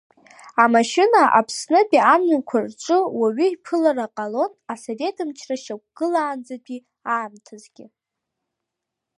Амашьына Аԥснытәи амҩақәа рҿы уаҩы иԥылар ҟалон Асовет мчра шьақәгылаанӡатәи аамҭазгьы.